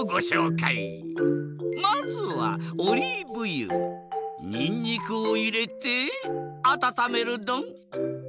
まずはオリーブ油にんにくをいれてあたためるドン。